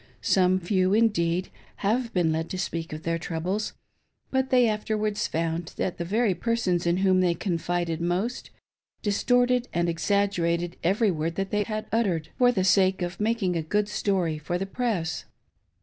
Some few, indeed, have been led to speak of their troubles ; but they have afterwards found that the very persons in whom they confided most, distorted and exag gerated eyery word that they had uttered, for the sake of making a good story for the press.